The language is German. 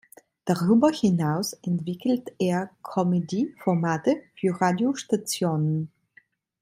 Darüber hinaus entwickelt er Comedy-Formate für Radiostationen.